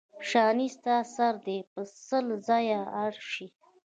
شانې ستا سر دې په سل ځایه اره شي.